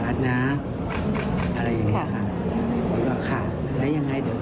กำลังมาพลังประชารัฐนะอะไรอย่างนี้ค่ะ